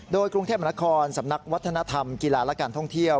โดยกรุงเทพมนครสำนักวัฒนธรรมกีฬาและการท่องเที่ยว